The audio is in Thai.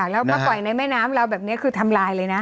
แล้วมาปล่อยในแม่น้ำเราแบบนี้คือทำลายเลยนะ